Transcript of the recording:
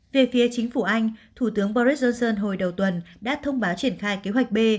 về phía chính phủ anh thủ tướng boris johnson hồi đầu tuần đã thông báo triển khai kế hoạch b